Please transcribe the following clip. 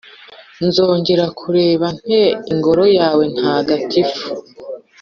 nzongera kureba nte ingoro yawe ntagatifu?’